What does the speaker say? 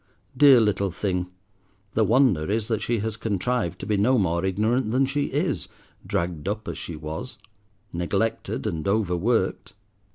Dear little thing, the wonder is that she has contrived to be no more ignorant than she is, dragged up as she was, neglected and overworked.